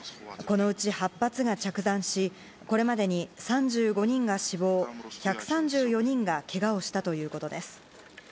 このうち８発が着弾しこれまでに３５人が死亡１３４人がけがをしたということです。